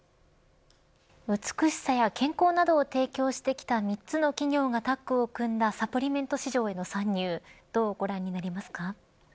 美しさや健康などを提供してきた３つの企業がタッグを組んだサプリメント市場への参入どうご覧になりますか。